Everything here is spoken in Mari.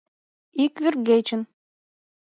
Ик вӱргечын